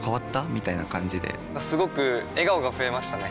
みたいな感じですごく笑顔が増えましたね！